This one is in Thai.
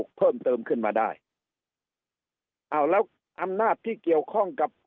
เพิ่มเติมขึ้นมาได้อ้าวแล้วอำนาจที่เกี่ยวข้องกับ